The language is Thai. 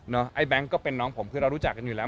ไอ้แบงค์ก็เป็นน้องผมคือเรารู้จักกันอยู่แล้ว